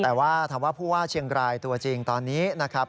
แต่ว่าถามว่าผู้ว่าเชียงรายตัวจริงตอนนี้นะครับ